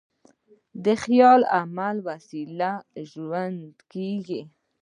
خیال د عمل په وسیله ژوندی کېږي.